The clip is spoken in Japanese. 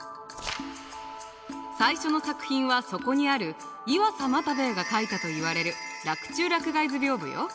最初の作品はそこにある岩佐又兵衛が描いたといわれる「洛中洛外図屏風」よ。